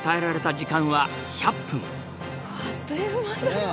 あっという間だよね。